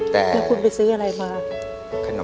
คุณไปซื้ออะไรมา